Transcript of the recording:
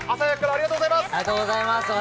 ありがとうございます。